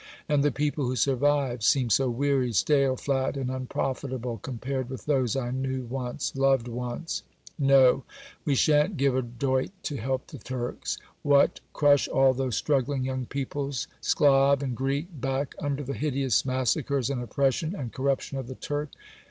And the people who survive seem so weary, stale, flat, and unprofitable compared with those I knew once, loved once.... No: we shan't give a doit to help the Turks. What! crush all those struggling young peoples, Sclav and Greek, back under the hideous massacres and oppression and corruption of the Turk?